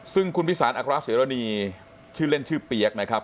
ซึ่งคุณพิสารอัครเสรณีชื่อเล่นชื่อเปี๊ยกนะครับ